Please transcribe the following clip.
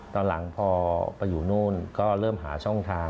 ตอนหลังพอไปอยู่นู่นก็เริ่มหาช่องทาง